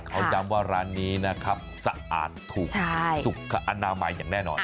เขาย้ำว่าร้านนี้นะครับสะอาดถูกสุขอนามัยอย่างแน่นอน